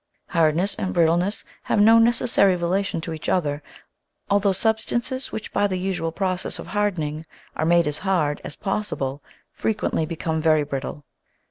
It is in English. Hardness and brittleness have no necessary relation to each other, although substances which by the usual process of hardening are made as hard as possible frequently become very brittle.